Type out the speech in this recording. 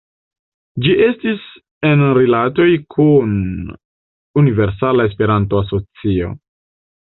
Ĝi estis en rilatoj kun Universala Esperanto-Asocio.